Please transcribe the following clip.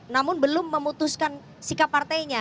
namun belum memutuskan sikap partainya